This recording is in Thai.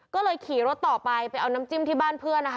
ก็เลยขี่รถต่อไปไปเอาน้ำจิ้มที่บ้านเพื่อนนะคะ